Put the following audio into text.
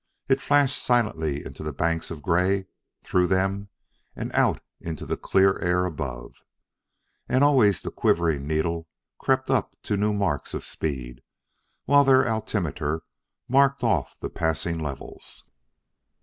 It flashed silently into the banks of gray, through them, and out into clear air above. And always the quivering needle crept up to new marks of speed, while their altimeter marked off the passing levels.